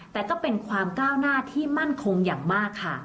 แต่ก็เป็นความก้าวหน้าที่มั่นคงอย่างมากค่ะ